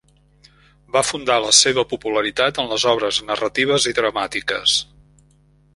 Va fundar la seva popularitat en les obres narratives i dramàtiques.